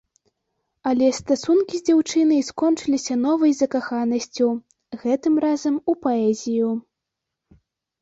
Але стасункі з дзяўчынай скончыліся новай закаханасцю, гэтым разам у паэзію.